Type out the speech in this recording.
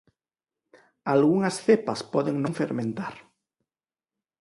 Algunhas cepas poden non fermentar.